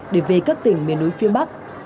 để về các tỉnh miền núi phía bắc